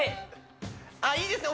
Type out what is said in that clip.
あっいいですね